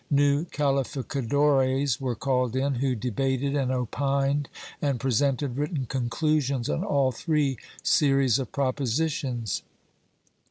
New calificadores were called in, who debated and opined and pre sented written conclusions on all three series of propositions.